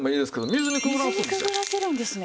水にくぐらせるんですね。